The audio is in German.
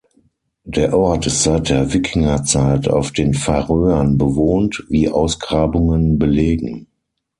Der Ort ist seit der Wikingerzeit auf den Färöern bewohnt, wie Ausgrabungen belegen.